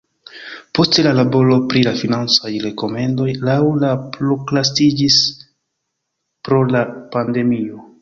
Poste la laboro pri la financaj rekomendoj laŭ li prokrastiĝis pro la pandemio.